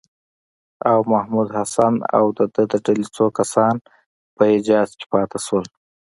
او محمودالحسن او د ده د ډلې څو کسان په حجاز کې پاتې شول.